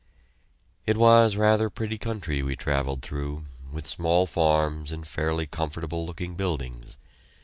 It was rather a pretty country we travelled through, with small farms and fairly comfortable looking buildings.